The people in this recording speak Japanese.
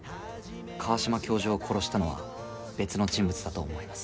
川島教授を殺したのは別の人物だと思います。